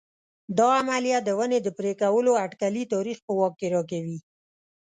دا عملیه د ونې د پرې کولو اټکلي تاریخ په واک کې راکوي